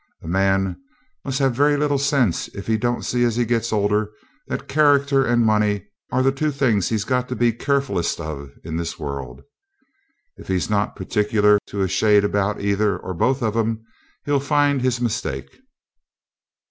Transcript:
A man must have very little sense if he don't see as he gets older that character and money are the two things he's got to be carefullest of in this world. If he's not particular to a shade about either or both of 'em, he'll find his mistake.